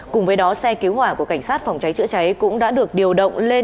cùng với đó xe cứu hỏa của cảnh sát phòng cháy chữa cháy cũng đã được điều động lên